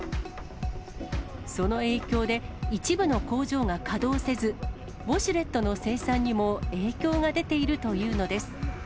その影響で、一部の工場が稼働せず、ウォシュレットの生産にも影響が出ているというのです。